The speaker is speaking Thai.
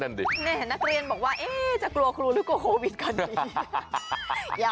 นี่เห็นนักเรียนบอกว่าจะกลัวครูหรือกลัวโควิดขนาดนี้